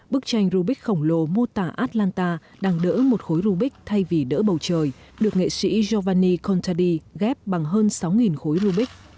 bức tranh rubik khổng lồ mô tả atlanta đang đỡ một khối rubik thay vì đỡ bầu trời được nghệ sĩ jovni conttudy ghép bằng hơn sáu khối rubik